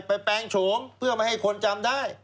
แปลงโฉมเพื่อไม่ให้คนจำได้